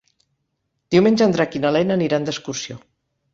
Diumenge en Drac i na Lena aniran d'excursió.